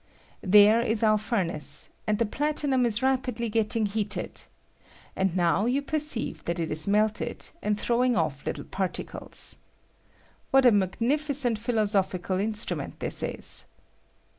There is our fur nace, and the platinum is rapidly getting heat ed; and now you perceive that it is melted, and throwing off little particles. What a magnificent philosophical instrument this is!